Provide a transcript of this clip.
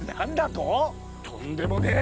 とんでもねえ。